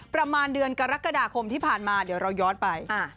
ประมาณเดือนกรกฎาคมที่ผ่านมาเดี๋ยวเราย้อนไป